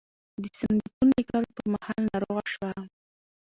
د "سندیتون" لیکلو پر مهال ناروغه شوه.